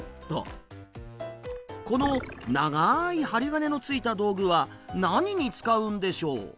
この長い針金のついた道具は何に使うんでしょう？